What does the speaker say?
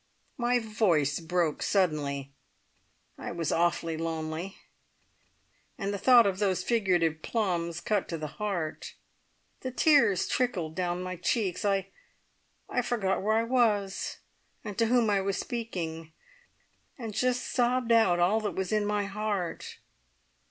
My voice broke suddenly. I was awfully lonely, and the thought of those figurative plums cut to the heart. The tears trickled down my cheeks; I forgot where I was, and to whom I was speaking, and just sobbed out all that was in my heart.